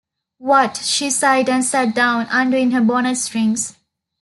“What?” She sighed and sat down, undoing her bonnet-strings.